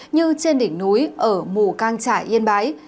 như trên đỉnh núi ở mù căng trải yên bái